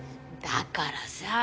だからさぁ。